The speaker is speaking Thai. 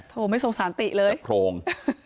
ไม่สงสารติเลยโพรง